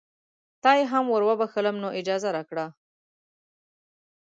تا یې هم وروبخښلم نو اجازه راکړه.